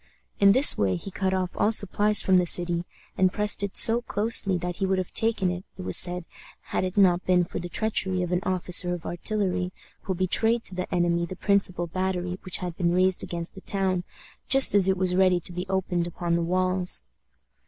In this way he cut off all supplies from the city, and pressed it so closely that he would have taken it, it was said, had it not been for the treachery of an officer of artillery, who betrayed to the enemy the principal battery which had been raised against the town just as it was ready to be opened upon the walls.